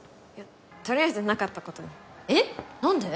とりあえずなかったことにえっ⁉なんで？